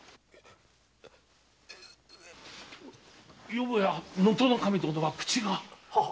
よもや能登守殿は口が？